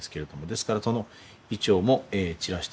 ですからその銀杏も散らしております。